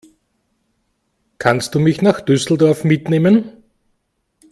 Kannst du mich nach Düsseldorf mitnehmen?